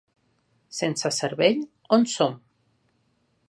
Sense cervell, on som?